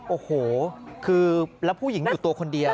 โอ้โฮแล้วผู้หญิงไม่อยู่ตัวคนเดียว